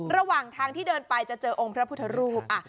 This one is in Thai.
ระหว่างทางที่เดินไปจะเจอองค์พระพุทธรูป